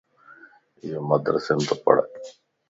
ايو مدرسيم تو پڙھه